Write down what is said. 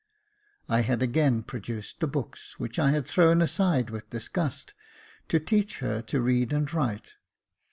I had again produced the books, which I had thrown aside with disgust, to teach her to read and write.